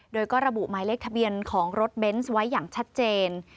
โดยก็ระบุหมายเลขทะเบียนของรถเบนส์ไว้อย่างชัดเจน